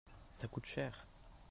ça coûte cher.